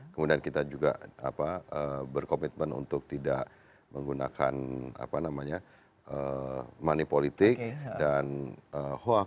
kemudian kita juga berkomitmen untuk tidak menggunakan money politik dan hoax